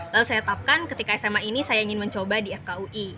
lalu saya tetapkan ketika sma ini saya ingin mencoba di fkui